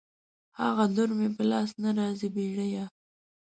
هغه در مې په لاس نه راغی بېړيه